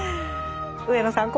上野さん